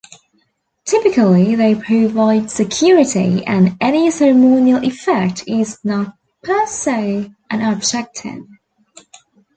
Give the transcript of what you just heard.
Typically they provide security and any ceremonial effect is not "per se" an objective.